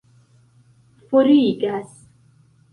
forigas